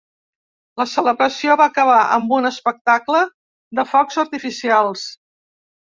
La celebració va acabar amb un espectacle de focs artificials.